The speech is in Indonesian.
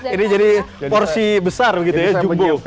ini jadi porsi besar begitu ya jumbo